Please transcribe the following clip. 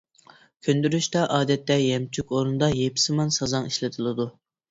كۆندۈرۈشتە ئادەتتە يەمچۈك ئورنىدا يىپسىمان سازاڭ ئىشلىتىلىدۇ.